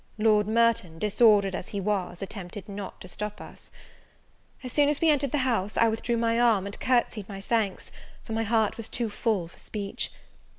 Lord Merton, disordered as he was, attempted not to stop us. As soon as we entered the house, I withdrew my arm, and courtsied my thanks, for my heart was too full for speech.